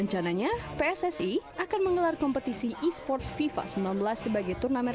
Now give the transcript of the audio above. rencananya pssi akan mengelar kompetisi e sports fifa sembilan belas sebagai pilihan utama